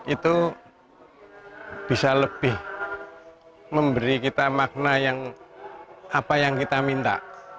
itu bisa lebih memberi kita makna yang apa yang kita minta